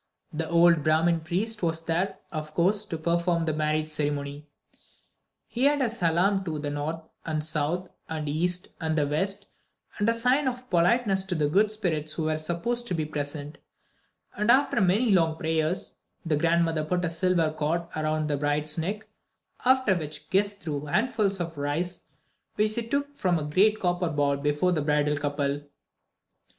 The old Brahmin priest was there, of course, to perform the marriage ceremony. He made a salaam to the north and south and the east and the west, a sign of politeness to the "good spirits" who were supposed to be present; and, after many long prayers, the grandmother put a silver cord around the bride's neck, after which the guests threw handfuls of rice which they took from a great copper bowl before the bridal couple.